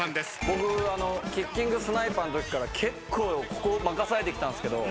僕キッキングスナイパーのときから結構ここ任されてきたんですけど。